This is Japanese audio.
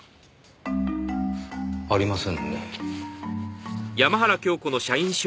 ありませんね。